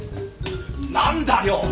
何だよ？